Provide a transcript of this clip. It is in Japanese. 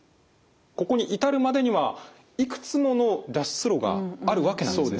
ここに至るまでにはいくつもの脱出路があるわけなんですね。